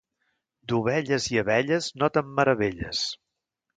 D'ovelles i abelles no te'n meravelles.